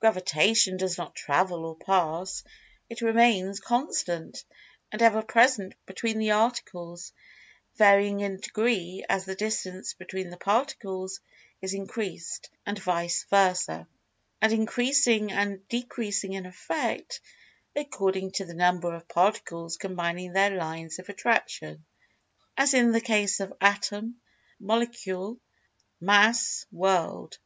Gravitation does not "travel" or "pass"—it remains constant, and ever present between the articles, varying in degree as the distance between the Particles is increased, and vice versa; and increasing and decreasing in effect, according to the number of Particles combining their lines of Attraction, as in the case of Atom, Molecule, Mass, World.